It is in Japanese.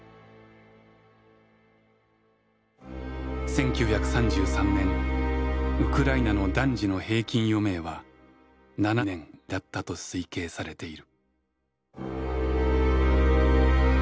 １９３３年ウクライナの男児の平均余命は７年だったと推計されている。